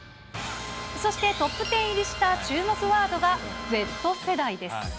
そしてトップテン入りした注目ワードがＺ世代です。